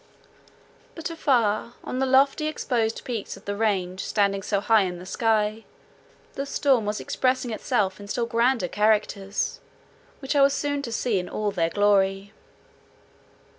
But afar on the lofty exposed peaks of the range standing so high in the sky, the storm was expressing itself in still grander characters, which I was soon to see in all their glory.